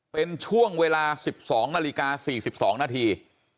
เป็นช่วงเวลา๑๒นาฬิกา๔๒นาที